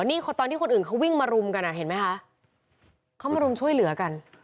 นี่ตอนที่คนอื่นเขาวิ่งมารุมกันอ่ะเห็นไหมคะเขามารุมช่วยเหลือกัน